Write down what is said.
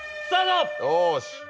よし。